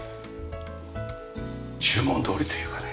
注文どおりというかね。